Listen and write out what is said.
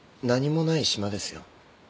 何もない島ですよ。